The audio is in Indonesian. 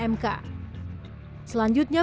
selanjutnya presiden terpilih secara konflik